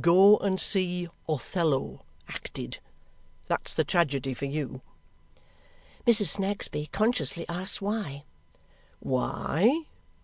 Go and see Othello acted. That's the tragedy for you." Mrs. Snagsby consciously asked why. "Why?"